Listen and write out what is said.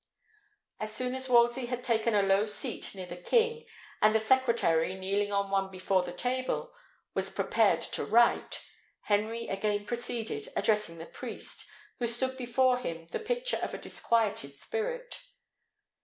As soon as Wolsey had taken a low seat near the king, and the secretary, kneeling on one before the table, was prepared to write, Henry again proceeded, addressing the priest, who stood before him the picture of a disquieted spirit.